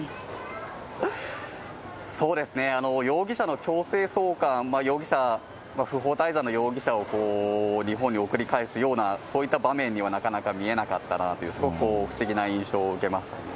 そうですね、容疑者の強制送還、容疑者、不法滞在の容疑者を日本に送り返すような、そういった場面にはなかなか見えなかったなという、すごく不思議な印象を受けましたね。